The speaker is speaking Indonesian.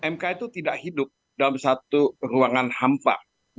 mk itu tidak hidup dalam satu ruangan hampa